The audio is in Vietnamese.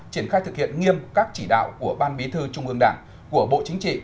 triển khai thực hiện nghiêm các chỉ đạo của ban bí thư trung ương đảng của bộ chính trị